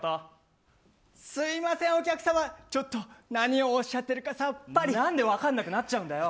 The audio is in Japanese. すいません、お客さまちょっと何をおっしゃてるかなんで分かんなくなっちゃうんだよ。